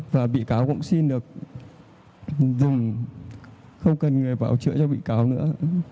và bị cáo cũng xin được dùng không cần người bảo chữa cho bị cáo nữa